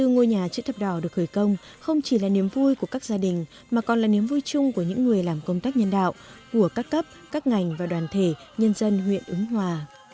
hai mươi ngôi nhà chữ thập đỏ được khởi công không chỉ là niềm vui của các gia đình mà còn là niềm vui chung của những người làm công tác nhân đạo của các cấp các ngành và đoàn thể nhân dân huyện ứng hòa